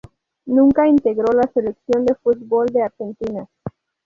Nunca integró la Selección de fútbol de Argentina.